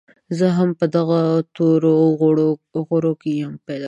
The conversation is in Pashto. زه هم په دغه تورو غرو کې پيدا